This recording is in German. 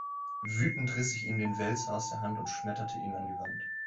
Wütend riss ich ihm den Wälzer aus der Hand und schmetterte ihn an die Wand.